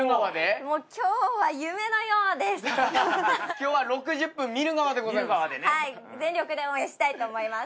今日は６０分見る側でございます。